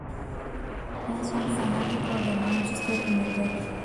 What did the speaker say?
Es un fanático del Manchester United.